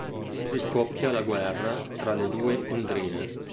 Così scoppia la guerra tra le due 'ndrine.